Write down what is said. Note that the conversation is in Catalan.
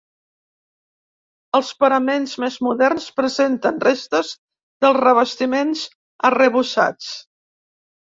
Els paraments més moderns presenten restes dels revestiments arrebossats.